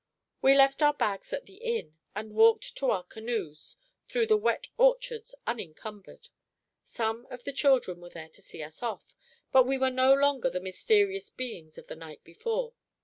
We left our bags at the inn, and walked to our canoes through the wet orchards unencumbered. Some of the children were there to see us off, but we were no longer the mysterious beings of the night before.